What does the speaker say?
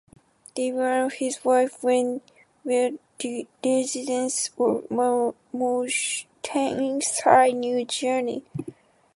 Devlin, and his wife Wende, were residents of Mountainside, New Jersey.